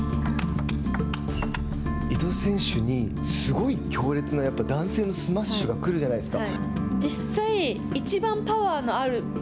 伊藤選手にすごい強烈な男性のスマッシュが来るじゃないですか。